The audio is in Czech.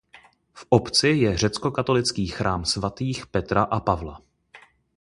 V obci je řeckokatolický chrám svatých Petra a Pavla.